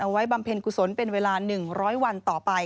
บำเพ็ญกุศลเป็นเวลา๑๐๐วันต่อไป